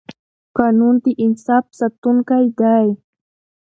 قانون د انصاف ساتونکی دی